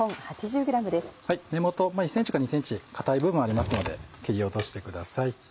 根元１ｃｍか２ｃｍ硬い部分ありますので切り落としてください。